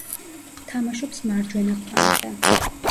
თამაშობს მარჯვენა ფლანგზე.